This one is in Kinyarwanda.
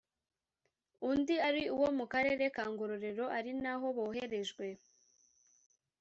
undi ari uwo mu karere ka Ngororero ari naho boherejwe